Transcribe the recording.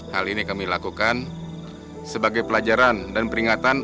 hal ini kami lakukan sebagai pelajaran dan peringatan